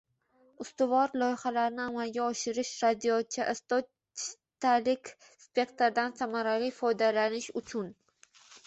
ustuvor loyihalarni amalga oshirish, radiochastotalik spektrdan samarali foydalanish uchun